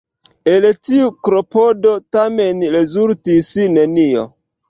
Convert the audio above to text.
El tiu klopodo tamen rezultis nenio.